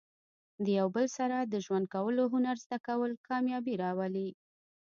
د یو بل سره د ژوند کولو هنر زده کول، کامیابي راولي.